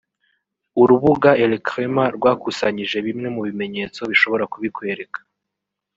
urubuga Elcrema rwakusanyije bimwe mu bimenyetso bishobora kubikwereka